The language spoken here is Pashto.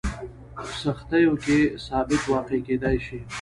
په سختیو کې ثابت واقع کېدای شي.